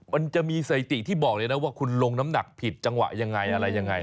มันจะมีสถิติที่บอกเลยนะว่าคุณลงน้ำหนักผิดจังหวะยังไงอะไรยังไง